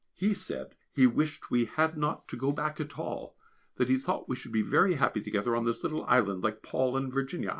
He said he wished we had not to go back at all, that he thought we should be very happy together on this little island like Paul and Virginia.